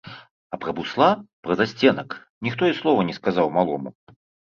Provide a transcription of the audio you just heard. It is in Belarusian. А пра бусла, пра засценак ніхто і слова не сказаў малому.